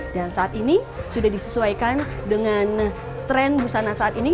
dan saat ini sudah disesuaikan dengan tren busana saat ini